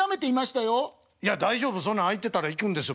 いや大丈夫そんなん空いてたら行くんですよ